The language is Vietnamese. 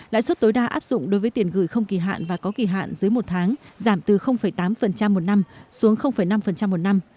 lãi suất tối đa áp dụng đối với tiền gửi không kỳ hạn và có kỳ hạn dưới một tháng giảm từ tám một năm xuống năm một năm